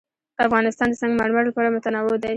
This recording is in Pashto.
افغانستان د سنگ مرمر له پلوه متنوع دی.